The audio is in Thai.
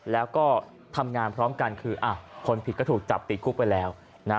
แล้วก็ทำงานพร้อมกันคือคนผิดก็ถูกจับติดคุกไปแล้วนะ